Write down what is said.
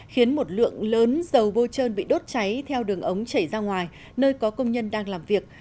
khiến một lượng lớn dầu bôi trơn bị đốt cháy theo đường ống chảy ra ngoài nơi có công nhân đang làm việc